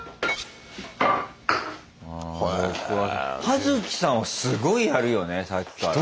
ハヅキさんはすごいやるよねさっきから。